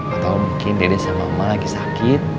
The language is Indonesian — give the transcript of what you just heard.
atau mungkin dede sama emak lagi sakit